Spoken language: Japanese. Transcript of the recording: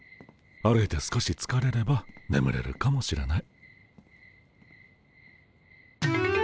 歩いて少しつかれればねむれるかもしれない。